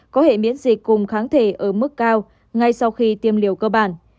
có hệ miễn dịch cùng kháng thể ở mức cao ngay sau khi tiêm liều cơ bản